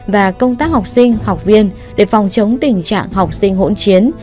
và công tác học sinh học viên để phòng chống tình trạng học sinh hỗn chiến